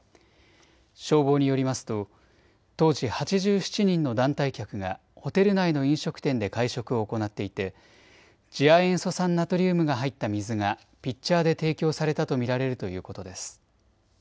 消防によりますと当時８７人の団体客がホテル内の飲食店で会食を行っていて次亜塩素酸ナトリウムが入った水がピッチャーで提供されたと見られるということです。